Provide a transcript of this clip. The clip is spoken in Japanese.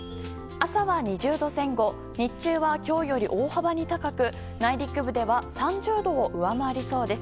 朝は２０度前後日中は今日より大幅に高く内陸部では３０度を上回りそうです。